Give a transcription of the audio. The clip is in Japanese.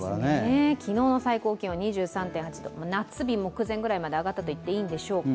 昨日の最高気温２３．８度、夏日目前くらいまで上がったと言っていいんでしょうか。